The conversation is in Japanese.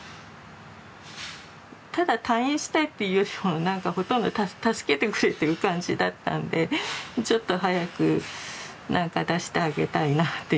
ただ退院したいっていうよりも何かほとんど助けてくれという感じだったんでちょっと早く何か出してあげたいなという。